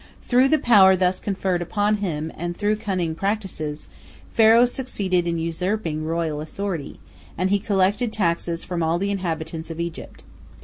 Through the power thus conferred upon him and through cunning practices, Pharaoh succeeded in usurping royal authority, and he collected taxes from all the inhabitants of Egypt.